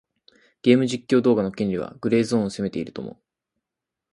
ゲーム実況動画の権利はグレーゾーンを攻めていると思う。